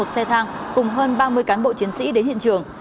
một xe thang cùng hơn ba mươi cán bộ chiến sĩ đến hiện trường